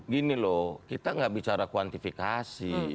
gini loh kita gak bicara kuantifikasi